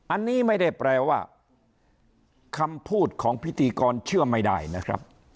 อันนี้ไม่ได้แปลว่าคำพูดของพิธีกรเชื่อไม่ได้นะครับ